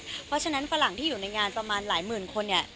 เพราะฉะนั้นฝรั่งที่อยู่ในงานประมาณหลายหมื่นคนเนี่ย